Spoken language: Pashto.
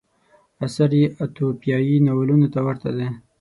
اثر یې اتوپیایي ناولونو ته ورته دی.